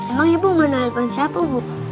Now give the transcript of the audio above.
emang ibu mau nelfon siapa ibu